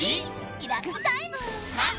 リラックスタイム。